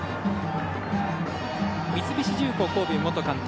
三菱重工神戸元監督